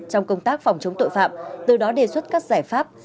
trong công tác phòng chống tội phạm từ đó đề xuất các giải pháp